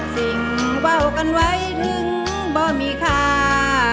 สิ่งว่ากันไว้ถึงบ่มีค่า